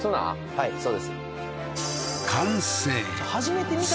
はいそうです